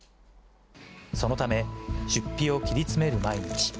そのため、出費を切り詰める毎日。